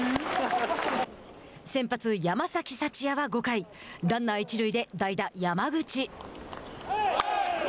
先発、山崎福也は５回ランナー一塁で代打山口。